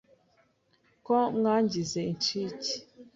Ko mwangize incike